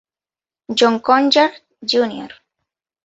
John Conyers, Jr.